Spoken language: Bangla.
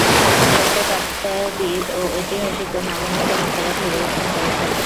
প্রত্নতত্ত্ববিদ ও ঐতিহাসিকগণ অগণিত মতবাদ পরিবেশন করেছেন।